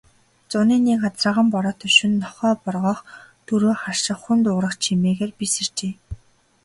Зуны нэг азарган бороотой шөнө нохой боргоох, дөрөө харших, хүн дуугарах чимээгээр би сэржээ.